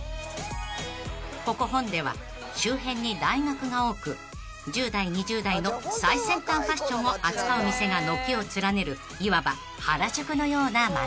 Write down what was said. ［ここ弘大は周辺に大学が多く１０代２０代の最先端ファッションを扱う店が軒を連ねるいわば原宿のような街］